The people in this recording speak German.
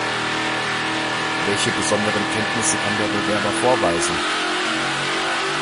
Welche besonderen Kenntnisse kann der Bewerber vorweisen?